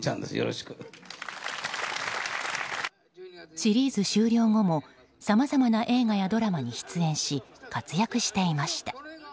シリーズ終了後もさまざまな映画やドラマに出演し活躍していました。